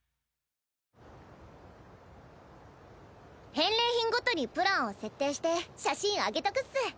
返礼品ごとにプランを設定して写真上げとくっス。